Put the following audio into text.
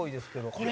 これ！